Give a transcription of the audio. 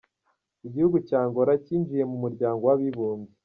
Igihugu cya Angola cyinjiye mu muryango w’abibumbye.